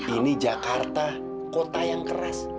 ini jakarta kota yang keras